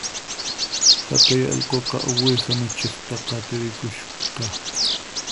Haqay allquqa uwiha michiqta qatirikushasqa